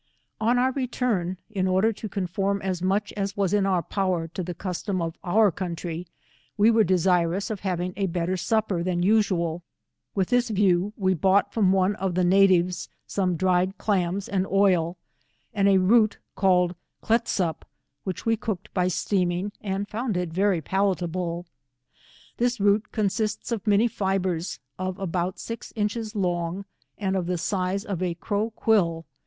On our return, in order to conform as much as was in our power to the custom of our country, we were desirous of having a better snpper than 122 asaal. With this view we bought from one of the natives, some dried clams and oil, andarooteaN led Kleisupf which we cooked by steaming, and found it very palatable. This root consists of many fibres, of a bout six inches long, and of the size of a crow quill.